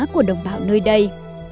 của đồng bào nơi đây